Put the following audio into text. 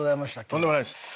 とんでもないです。